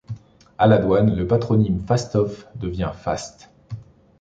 À la douane, le patronyme Fastov devient Fast.